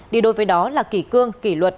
đi đối với đó là kỷ cương kỷ luật